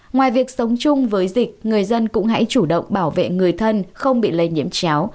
ngoài việc sống chung với dịch người dân cũng hãy chủ động bảo vệ người thân không bị lây nhiễm chéo